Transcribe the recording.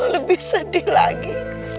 lebih sedih lagi